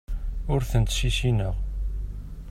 Ur tent-ssissineɣ.